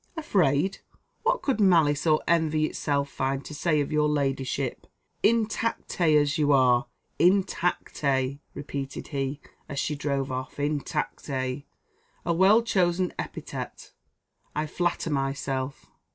"Afraid! what could malice or envy itself find to say of your ladyship, intacte as you are? Intacte!" repeated he, as she drove off, "intacte! a well chosen epithet, I flatter myself!"